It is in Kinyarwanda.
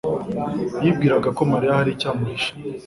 yibwiraga ko Mariya hari icyo amuhishe.